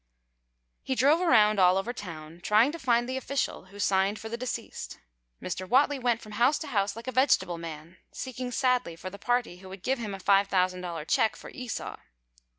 He drove around all over town, trying to find the official who signed for the deceased. Mr. Whatley went from house to house like a vegetable man, seeking sadly for the party who would give him a $5,000 check for Esau.